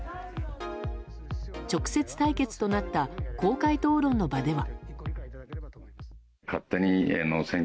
直接対決となった公開討論の場では。